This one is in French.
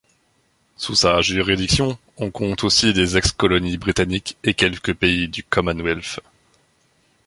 Sous sa juridiction, on compte aussi des ex-colonies britanniques et quelques pays du Commonwealth.